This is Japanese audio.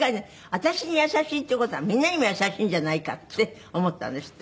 「私に優しいっていう事はみんなにも優しいんじゃないか」って思ったんですって？